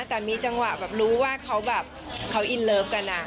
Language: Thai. แต่มีจังหวะแบบรู้ว่าเขาแบบเขาอินเลิฟกัน